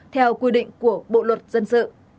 theo quy định của bộ luật dân sự